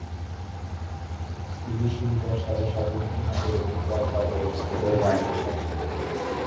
Three G সুবিধার সাড়ে সাত ইঞ্চি মাপের একটি ট্যাব বাজারে ছাড়তে পারে মাইক্রোসফট।